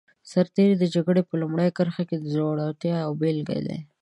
سرتېری د جګړې په لومړي کرښه کې د زړورتیا یوه بېلګه دی.